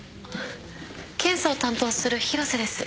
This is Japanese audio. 検査を担当する広瀬です。